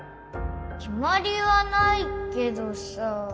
きまりはないけどさ。